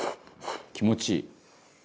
「気持ちいい。